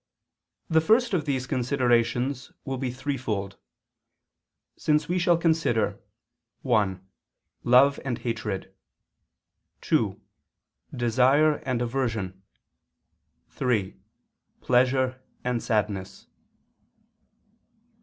The first of these considerations will be threefold: since we shall consider (1) Love and hatred; (2) Desire and aversion; (3) Pleasure and sadness.